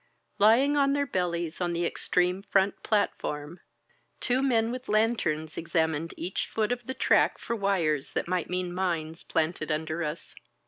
Lying on their bellies on the ex treme front platform, two men with lanterns examined each foot of the track for wires that might mean mines planted under us.